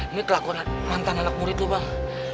ini kelakuan mantan anak murid tuh bang